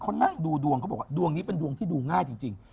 เขานั่งดูดวงเขาบอกว่าดวงนี้เป็นดวงที่ดูง่ายจริง